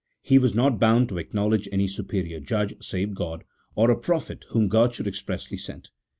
He was not bound to acknowledge any superior judge save God, 1 or a prophet whom God should expressly send.